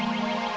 rika suka banget